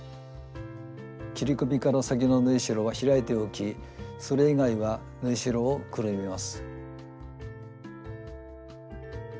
切り込みから先の縫いしろは開いておきそれ以外は縫いしろをくるみます。